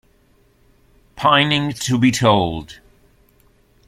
Pining to be told.